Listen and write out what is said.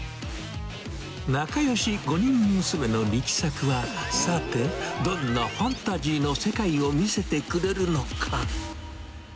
仲よし５人娘の力作は、さて、どんなファンタジーの世界を見せてくれるのか。